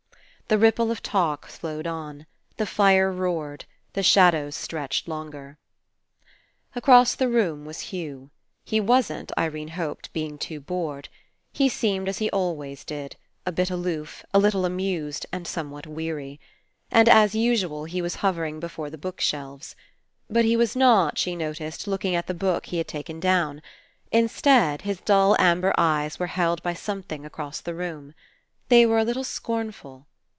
The ripple of talk flowed on. The fire roared. The shadows stretched longer. Across the room was Hugh. He wasn't, Irene hoped, being too bored. He seemed as he always did, a bit aloof, a little amused, and somewhat weary. And as usual he was hover ing before the book shelves. But he was not, she noticed, looking at the book he had taken down. Instead, his dull amber eyes were held by something across the room. They were a little scornful.